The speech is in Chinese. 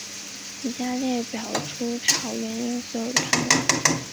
以下的列表列出北朝元魏所有的藩王。